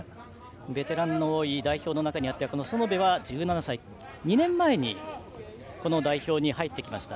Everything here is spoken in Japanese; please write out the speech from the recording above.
ベテランの多い代表で園部は１７歳２年前に代表に入ってきました。